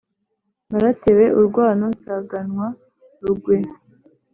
naratewe urwano nsanganwa rugwe.